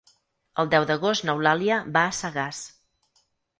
El deu d'agost n'Eulàlia va a Sagàs.